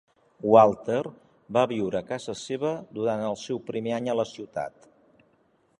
Walker va viure a casa seva durant el seu primer any a la ciutat.